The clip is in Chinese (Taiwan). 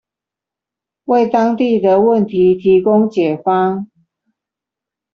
為當地的問題提供解方